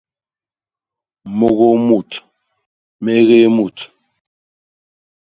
Môgôô mut; mégéé mut.